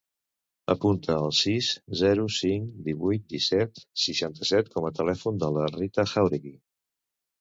Apunta el sis, zero, cinc, divuit, disset, seixanta-set com a telèfon de la Ritaj Jauregui.